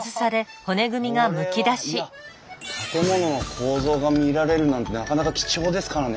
これはいや建物の構造が見られるなんてなかなか貴重ですからね